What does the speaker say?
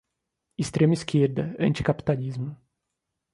Extrema-esquerda, anticapitalismo